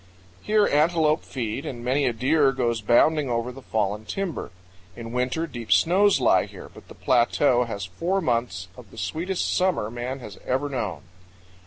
Here antelope feed and many a deer goes bounding over the fallen timber. In winter deep snows lie here, but the plateau has four months of the sweetest summer man has ever known.